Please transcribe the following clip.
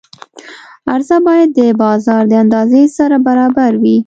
عرضه باید د بازار د اندازې سره برابره وي.